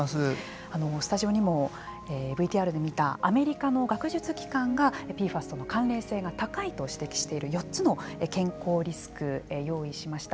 スタジオにもＶＴＲで見たアメリカの学術機関がＰＦＡＳとの関連性が高いと指摘している４つの健康リスクを用意しました。